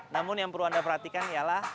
namun yang perlu anda perhatikan ialah